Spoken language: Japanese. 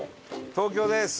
東京です。